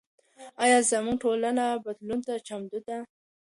ایا زموږ ټولنه بدلون ته چمتو ده؟